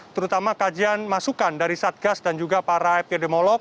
terutama kajian masukan dari satgas dan juga para epidemiolog